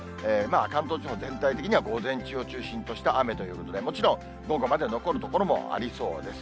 関東地方、全体的には午前中を中心とした雨ということで、もちろん、午後まで残る所もありそうです。